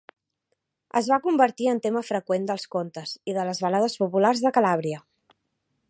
Es va convertir en tema freqüent dels contes i de les balades populars de Calàbria.